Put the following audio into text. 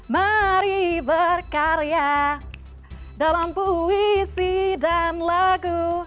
mari berkarya dalam puisi dan lagu